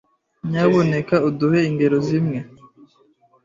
Nyamuneka uduhe ingero zimwe.